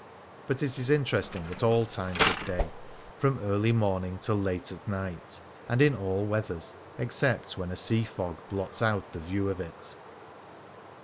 But it is interesting 38 'ft^ ^ .f"i.;^i The Grand Canal at all times of day, from early morning till late at night ; and in all weathers, except when a sea fog blots out the view of it.